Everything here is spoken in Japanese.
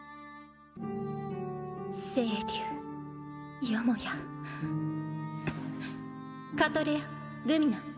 聖龍よもやカトレアルミナ